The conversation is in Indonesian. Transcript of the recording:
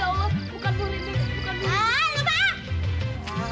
ya allah bukan tuh ini bukan tuh ini